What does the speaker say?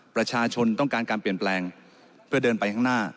ประชาชนต้องการการเปลี่ยนแปลงเพื่อเดินไปข้างหน้า